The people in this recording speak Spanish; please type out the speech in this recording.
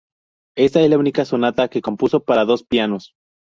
Esta es la única sonata que compuso para dos pianos.